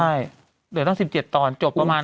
ใช่เหลือตั้ง๑๗ตอนจบประมาณ